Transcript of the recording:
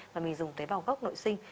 và mình dùng tế bào gốc nội sinh